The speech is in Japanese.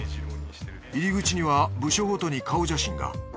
入り口には部署ごとに顔写真が。